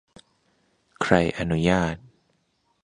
ใครอนุญาต